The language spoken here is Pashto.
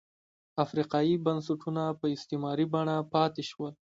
افریقايي بنسټونه په استثماري بڼه پاتې شول.